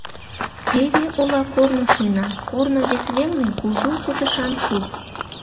Теве ола корно шуйна, корно вес велне кужу кутышан куп.